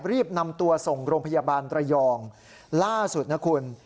รีบนำตัวส่งโรงพยาบาลระยองล่าสุดนะคุณ